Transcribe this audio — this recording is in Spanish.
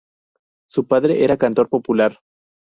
Su padre era cantor popular.